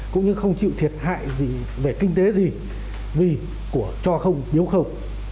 cũng như không chịu thiệt hại gì về kinh tế gì vì cho không nếu không